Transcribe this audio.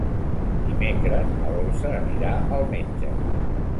Dimecres na Dolça anirà al metge.